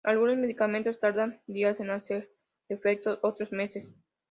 Algunos medicamentos tardan días en hacer efecto, otros meses.